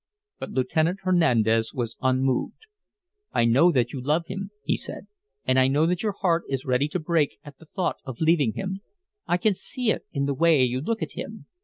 But Lieutenant Hernandez was unmoved. "I know that you love him," he said, "and I know that your heart is ready to break at the thought of leaving him. I can see it in the way you look at him.